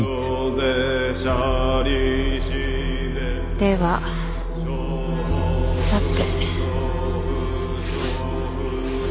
ではさて。